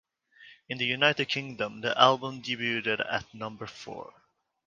In the United Kingdom, the album debuted at number four.